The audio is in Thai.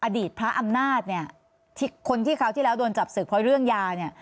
อดีตพระอำนาจเนี่ยคนที่คราวที่แล้วโดนจับศึกเพราะเรื่องยาเนี่ย